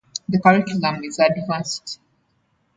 The curriculum is advanced.